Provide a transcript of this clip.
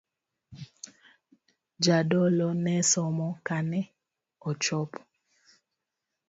Jadolo ne somo kane ochopo.